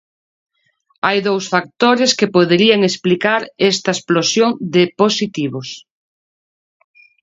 Hai dous factores que poderían explicar esta explosión de positivos.